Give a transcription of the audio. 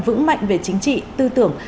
vững mạnh về chính trị tư tưởng